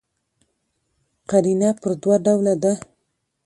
قرینه پر دوه ډوله ده.